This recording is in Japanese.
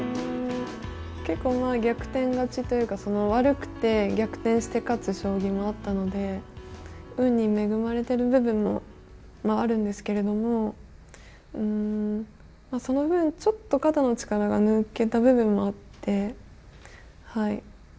結構まあ逆転勝ちというか悪くて逆転して勝つ将棋もあったので運に恵まれてる部分もあるんですけれどもその分ちょっと肩の力が抜けた部分もあってはい。